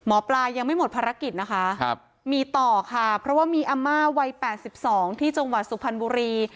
หมอปลายังไม่หมดภารกิจนะคะมีต่อค่ะเพราะว่ามีอาม่าวัย๘๒ที่จังหวัดสุพรรณบุรี